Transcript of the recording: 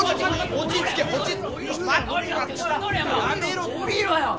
おりろよ！